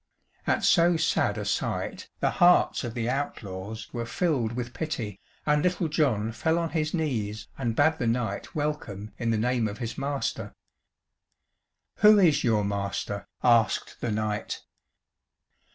At so sad a sight the hearts of the outlaws were filled with pity, and Little John fell on his knees and bade the knight welcome in the name of his master. "Who is your master?" asked the knight.